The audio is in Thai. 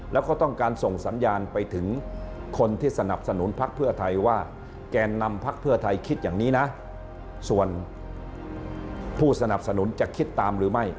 แล้วก็ต้องการส่งสัญญาณไปถึงคนที่สนับสนุนพักเพื่อไทยว่า